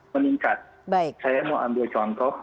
meningkat saya mau ambil contoh